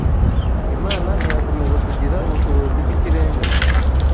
Imana ntiyakomeza kugira ubushobozi bw’ikirenga